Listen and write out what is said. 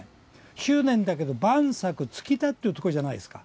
執念だけど、万策尽きたっていうところじゃないですか。